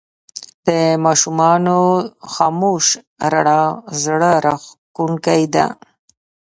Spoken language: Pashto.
د ماښامونو خاموش رڼا زړه راښکونکې ده